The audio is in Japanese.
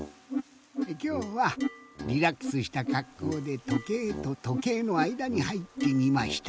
きょうはリラックスしたかっこうでとけいととけいのあいだにはいってみました。